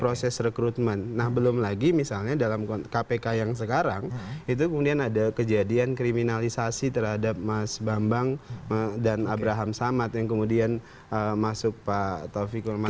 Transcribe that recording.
proses rekrutmen nah belum lagi misalnya dalam kpk yang sekarang itu kemudian ada kejadian kriminalisasi terhadap mas bambang dan abraham samad yang kemudian masuk pak taufikul mana